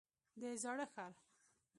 د زاړه ښار.